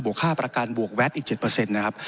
ค่าประกันบวกแวดอีก๗นะครับ